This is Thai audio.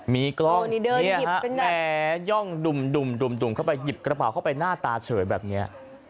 มีกล้องนี่ฮะแนย่องดุ่มเข้าไปหยิบกระเป๋าเข้าไปหน้าตาเฉยแบบนี้